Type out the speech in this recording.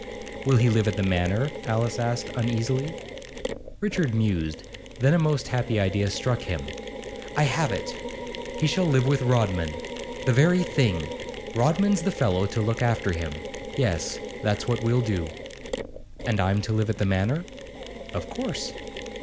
'Will he live at the Manor?' Alice asked uneasily. Richard mused; then a most happy idea struck him. 'I have it! He shall live with Rodman. The very thing! Rodman's the fellow to look after him. Yes; that's what we'll do.' 'And I'm to live at the Manor?' 'Of course.